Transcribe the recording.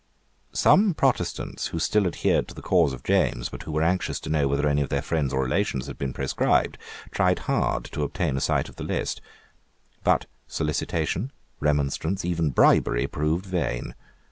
Some Protestants, who still adhered to the cause of James, but who were anxious to know whether any of their friends or relations had been proscribed, tried hard to obtain a sight of the list; but solicitation, remonstrance, even bribery, proved vain.